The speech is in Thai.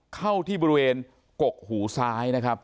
เข้าที่บริเวณกกหูซ้ายนะครับ